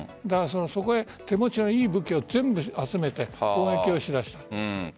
そこで手持ちの武器を全部集めて攻撃をしだした。